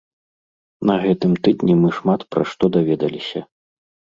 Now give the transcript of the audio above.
На гэтым тыдні мы шмат пра што даведаліся.